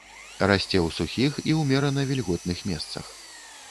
Расце ў сухіх і ўмерана вільготных месцах.